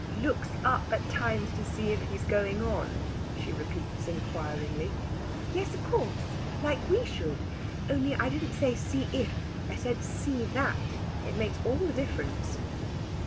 "Looks up at times to see if he's going on?" she repeats inquiringly. "Yes, of course like we should. Only I didn't say 'see if.' I said 'see that.' It makes all the difference."